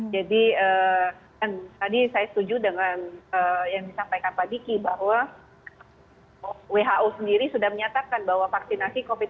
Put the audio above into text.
jadi tadi saya setuju dengan yang disampaikan pak diki bahwa who sendiri sudah menyatakan bahwa vaksinasi covid sembilan belas